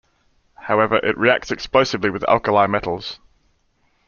However, it reacts explosively with alkali metals.